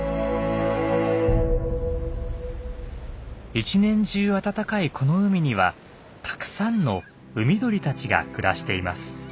一年中暖かいこの海にはたくさんの海鳥たちが暮らしています。